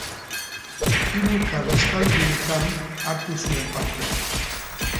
Hiru karlistaldietan hartu zuen parte.